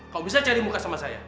kalau bisa cari muka sama saya